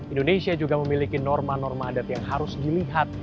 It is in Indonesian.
indonesia juga memiliki norma norma adat yang harus dilihat